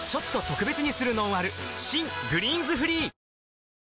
新「グリーンズフリー」男性）